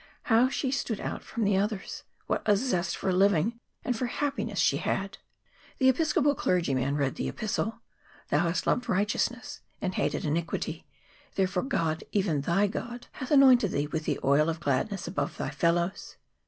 How she stood out from the others! What a zest for living and for happiness she had! The Episcopal clergyman read the Epistle: "Thou hast loved righteousness, and hated iniquity; therefore God, even thy God, hath anointed thee with the oil of gladness above thy fellows."